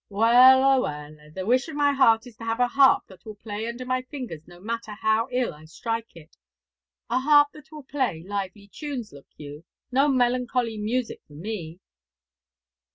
Wela, wela, the wish of my heart is to have a harp that will play under my fingers no matter how ill I strike it; a harp that will play lively tunes, look you; no melancholy music for me!'